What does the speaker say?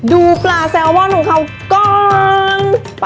ดูปลาแซลมอนของเขากอง